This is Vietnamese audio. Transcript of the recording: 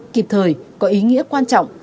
kịp thời có ý nghĩa quan trọng